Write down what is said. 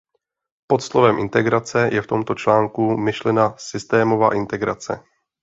Pod slovem integrace je v tomto článku myšlena systémová integrace.